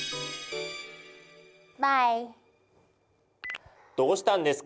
Ｂｙｅ．どうしたんですか